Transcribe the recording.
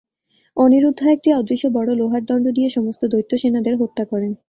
অনিরুদ্ধ একটি অদৃশ্য বড়ো লোহার দণ্ড দিয়ে সমস্ত দৈত্য সেনাদের হত্যা করেন।